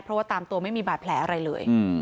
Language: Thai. เพราะว่าตามตัวไม่มีบาดแผลอะไรเลย